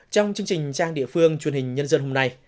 trong chương trình trang địa phương truyền hình nhân dân hôm nay